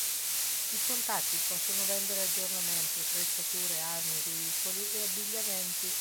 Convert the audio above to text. I Contatti possono vendere aggiornamenti, attrezzature, armi, veicoli e abbigliamenti.